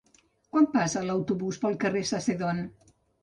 Quan passa l'autobús pel carrer Sacedón?